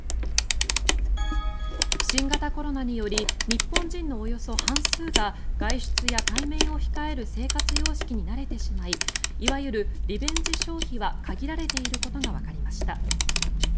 新型コロナにより日本人のおよそ半数が外出や対面を控える生活様式に慣れてしまいいわゆるリベンジ消費は限られていることがわかりました。